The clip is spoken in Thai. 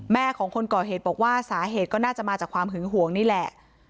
แม่ของคนก่อเหตุบอกว่าสาเหตุก็น่าจะมาจากความหึงหวงนี่แหละ